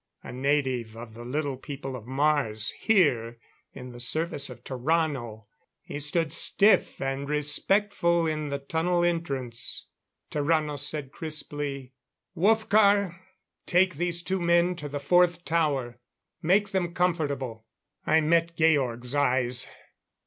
A native of the Little People of Mars, here in the service of Tarrano. He stood stiff and respectful in the tunnel entrance. Tarrano said crisply: "Wolfgar, take these two men to the fourth tower. Make them comfortable." I met Georg's eyes.